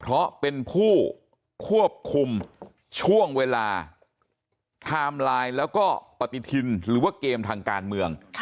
เพราะเป็นผู้ควบคุมช่วงเวลาไทม์ไลน์แล้วก็ปฏิทินหรือว่าเกมทางการเมือง